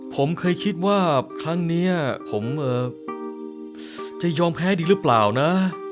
ผมเคยคิดว่าครั้งนี้ผมจะยอมแพ้ดีหรือเปล่านะ